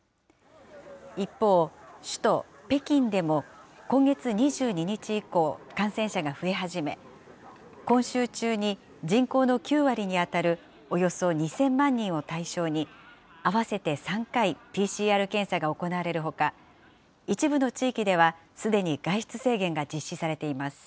一方、首都北京でも、今月２２日以降、感染者が増え始め、今週中に人口の９割に当たるおよそ２０００万人を対象に、合わせて３回、ＰＣＲ検査が行われるほか、一部の地域ではすでに外出制